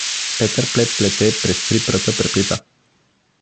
Петър плет плете, през три пръта преплита.